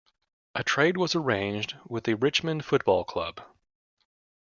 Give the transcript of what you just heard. A trade was arranged with the Richmond Football Club.